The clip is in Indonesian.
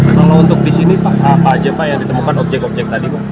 kalau untuk di sini pak apa aja pak yang ditemukan objek objek tadi pak